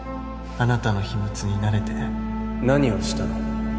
あなたの秘密になれて何をしたの？